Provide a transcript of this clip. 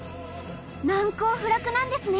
難攻不落なんですね。